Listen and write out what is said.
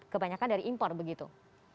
kebanyakan dari impor begitu